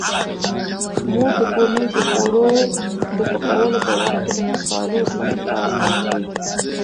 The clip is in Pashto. مور د کورنۍ د خوړو د پخولو په وخت د مصالحو سم کار اخلي.